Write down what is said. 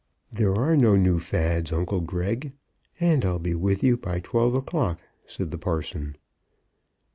"There are no new fads, uncle Greg, and I'll be with you by twelve o'clock," said the parson.